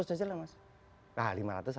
lima ratus aja lah mas